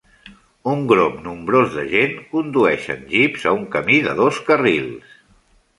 Un grup nombrós de gent condueixen Jeeps a un camí de dos carrils.